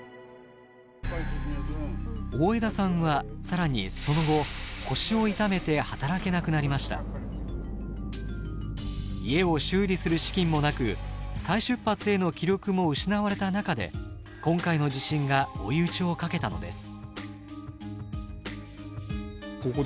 大枝さんは更にその後家を修理する資金もなく再出発への気力も失われた中で今回の地震が追い打ちをかけたのです。